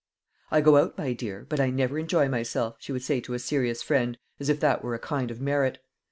"I go out, my dear, but I never enjoy myself," she would say to a serious friend, as if that were a kind of merit.